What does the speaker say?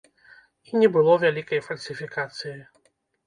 І не было вялікай фальсіфікацыі.